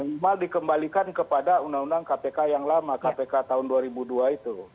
minimal dikembalikan kepada undang undang kpk yang lama kpk tahun dua ribu dua itu